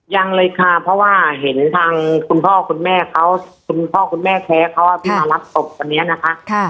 ยังเลยค่ะเพราะว่าเห็นทางคุณพ่อคุณแม่เขาคุณพ่อคุณแม่แท้เขาที่มารับศพวันนี้นะคะ